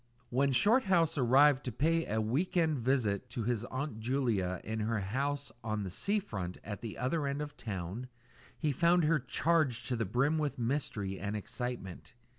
When Shorthouse arrived to pay a "week end" visit to his Aunt Julia in her little house on the sea front at the other end of the town, he found her charged to the brim with mystery and excitement.